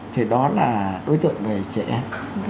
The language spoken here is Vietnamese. thì đó là đối tượng về trẻ em